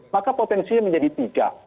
maka potensinya menjadi tiga